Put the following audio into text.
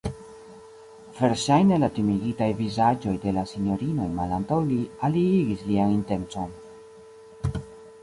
Verŝajne la timigitaj vizaĝoj de la sinjorinoj malantaŭ li aliigis lian intencon.